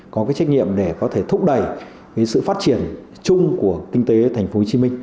có trách nhiệm để có thể thúc đẩy sự phát triển chung của kinh tế thành phố hồ chí minh